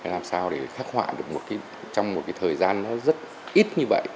làm sao để khắc họa được trong một cái thời gian rất ít như vậy